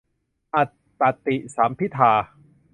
อรรถปฏิสัมภิทา